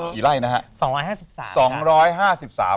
กี่ไร่นะฮะ๒๕๓ค่ะ